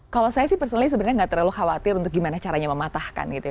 kalau saya sih perselnya sebenarnya nggak terlalu khawatir untuk gimana caranya mematahkan gitu ya